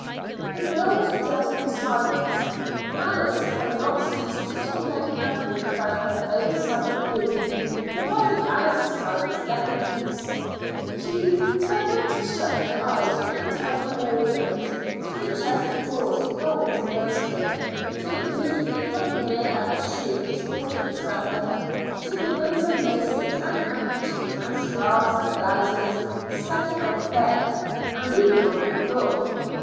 The girls dressed in silence. Alice had long ceased to torment Kathleen about her own side of the room. Provided Alice's side was left in peace, she determined to shut her eyes to untidy wardrobes, to the chest of drawers full to bursting, to a boot kicked off here and a shoe disporting itself there, to ribbons and laces and handkerchiefs and scarves and blouses scattered on the bed, and even on the floor.